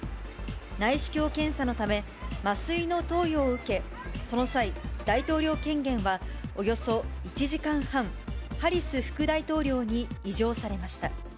内視鏡検査のため、麻酔の投与を受け、その際、大統領権限はおよそ１時間半、ハリス副大統領に委譲されました。